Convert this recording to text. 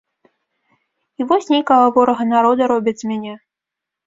І вось нейкага ворага народа робяць з мяне.